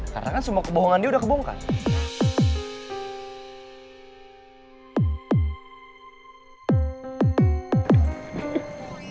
karena kan semua kebohongannya udah kebongkannya